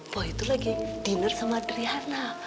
boy itu lagi dinner sama triana